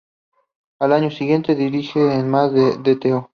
Al año siguiente, dirige en más el Dto.